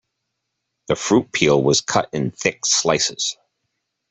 The fruit peel was cut in thick slices.